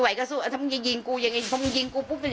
ไหวก็สู้อ่ะถ้ามึงยิงกูยังไงถ้ามึงยิงกูปุ๊บแต่